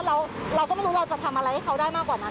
เราก็ไม่รู้เราจะทำอะไรให้เขาได้มากกว่านั้น